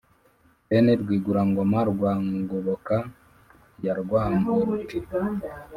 Bene Rwigurangoma rwa Ngoboka ya Rwangoruke